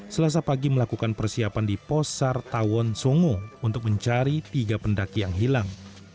selasa pagi melakukan persiapan di posar tawon songo untuk mencari tiga pendaki yang hilang